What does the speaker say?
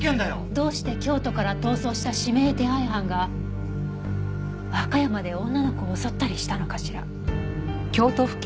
どうして京都から逃走した指名手配犯が和歌山で女の子を襲ったりしたのかしら。